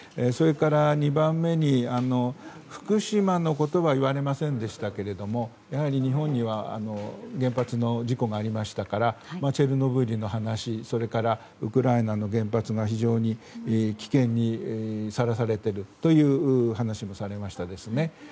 それから、２番目に福島のことは言われませんでしたがやはり日本には原発の事故がありましたからチェルノブイリの話それからウクライナの原発が非常に危険にさらされているという話もされましたね。